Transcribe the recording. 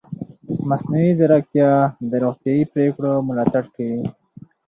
مصنوعي ځیرکتیا د روغتیايي پریکړو ملاتړ کوي.